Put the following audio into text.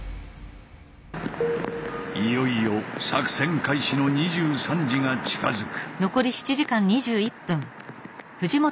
いよいよ作戦開始の２３時が近づく。